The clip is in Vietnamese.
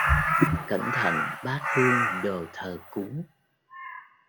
Cẩn thận bát hương đồ thờ cúng